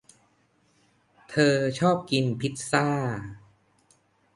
เธอชอบกินพิซซ่า